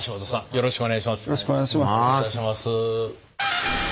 よろしくお願いします。